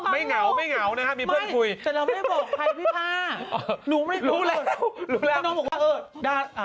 ไม่เหงานะครับมีเพื่อนคุย